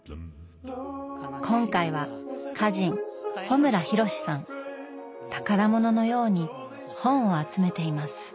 今回は宝物のように本を集めています。